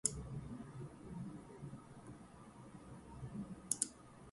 As they entered the fairgrounds, the lively atmosphere enveloped them.